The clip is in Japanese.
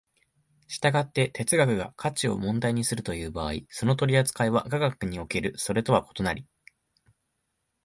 従って哲学が価値を問題にするという場合、その取扱いは科学におけるそれとは異なり、